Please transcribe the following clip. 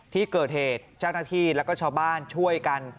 ที่เกิดเหตุเจ้าหน้าที่แล้วก็ชาวบ้านช่วยกัน